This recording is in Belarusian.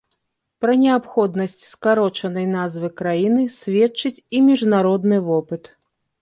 Пра неабходнасць скарочанай назвы краіны сведчыць і міжнародны вопыт.